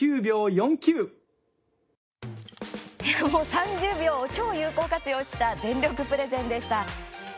３０秒を超有効活用した全力プレゼンでしたね。